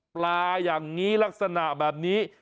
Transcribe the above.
ปลาอย่างนี้ลักษณะแบบนี้